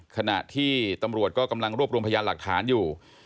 ขณะที่ตำรวจก็กำลังรวบรวมพยานหลักฐานอยู่